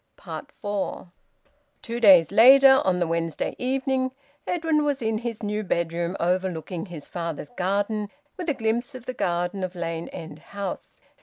FOUR. Two days later, on the Wednesday evening, Edwin was in his new bedroom, overlooking his father's garden, with a glimpse of the garden of Lane End House.